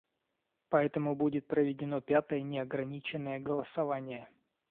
Поэтому будет проведено пятое неограниченное голосование.